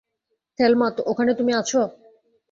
Thelma, ওখানে তুমি আছো?